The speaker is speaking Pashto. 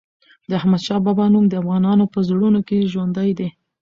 د احمد شاه بابا نوم د افغانانو په زړونو کې ژوندی دی.